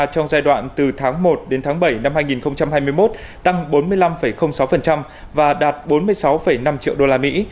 trong giai đoạn từ tháng một đến tháng bảy năm hai nghìn hai mươi một tăng bốn mươi năm sáu và đạt bốn mươi sáu năm triệu usd